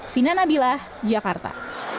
fina nabilah jakarta